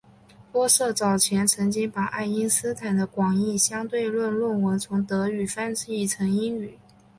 玻色早前曾经把爱因斯坦的广义相对论论文从德语翻译成英语。